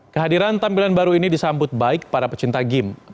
kehadiran tampilan baru ini disambut baik para pecinta game